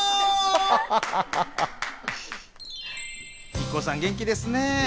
ＩＫＫＯさん元気ですね。